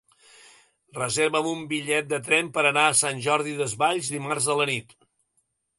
Reserva'm un bitllet de tren per anar a Sant Jordi Desvalls dimarts a la nit.